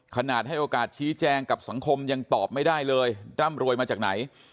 ให้โอกาสชี้แจงกับสังคมยังตอบไม่ได้เลยร่ำรวยมาจากไหน